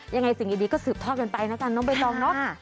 ยังไงสิ่งดีก็สืบทอดกันไปนะกันน้องใบตองเนาะ